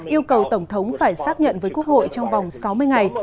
yêu cầu tổng thống phải xác nhận với quốc hội trong vòng sáu mươi ngày